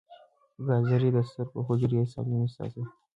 ګازرې د سترګو حجرې سالمې ساتي.